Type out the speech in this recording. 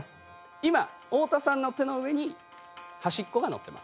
今太田さんの手の上に端っこが載っています。